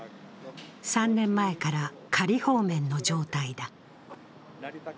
３年前から仮放免の状態だ。